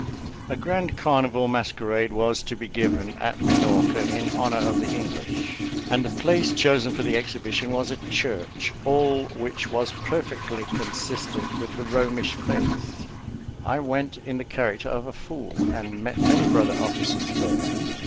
A grand carnival masquerade was to be given at Minorca in honour of the English, and the place chosen for the exhibition was a church; all which was perfectly consistent with the Romish faith. I went in the character of a fool, and met many brother officers there.